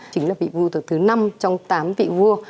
chính là vị vua tổ thứ năm trong tám vị vua